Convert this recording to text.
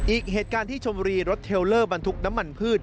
อีกเหตุการณ์ที่ชมรีรถเทลเลอร์บรรทุกน้ำมันพืช